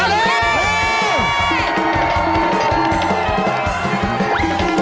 เร็ว